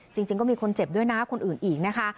จริงก็มีคนเจ็บด้วยนะคนอื่นอีกนะคะ